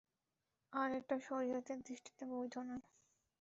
আর এটা শরীয়তের দৃষ্টিতে বৈধ নয়।